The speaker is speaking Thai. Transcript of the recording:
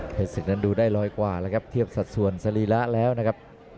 เป็นศึกนั้นดูได้ร้อยกว่าแล้วครับเทียบสัดส่วนสรีระแล้วนะครับ